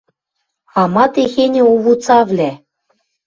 — А ма техеньӹ овуцавлӓ?